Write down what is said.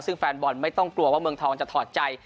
ซึ่งแฟนบอลไม่ต้องกลัวว่าเมืองทองจะถอดใจ